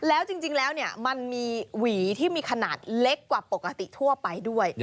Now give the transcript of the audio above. แล้วจริงแล้วมันมีหวีที่มีขนาดเล็กกว่าปกติทั่วไปด้วย